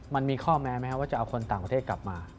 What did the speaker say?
มันมีข้อแม้ไหมครับว่าจะเอาคนต่างประเทศกลับมา